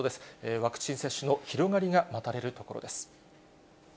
ワクチン接種の広がりが待たれるところです。